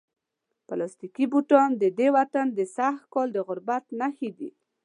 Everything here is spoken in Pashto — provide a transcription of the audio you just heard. پلاستیکي بوټان د دې وطن د سږکال د غربت نښې دي.